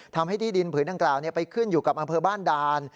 ที่ดินผืนดังกล่าวไปขึ้นอยู่กับอำเภอบ้านด่าน